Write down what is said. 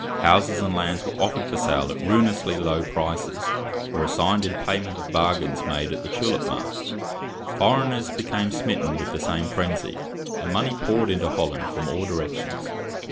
Houses and lands were offered for sale at ruinously low prices, or assigned in payment of bargains made at the tulip mart. Foreigners became smitten with the same frenzy, and money poured into Holland from all directions.